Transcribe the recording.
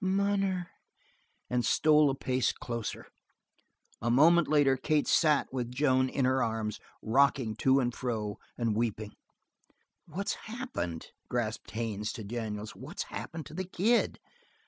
"Munner!" and stole a pace closer. A moment later Kate sat with Joan in her arms, rocking to and fro and weeping. "What's happened?" gasped Haines to Daniels. "What's happened to the kid?"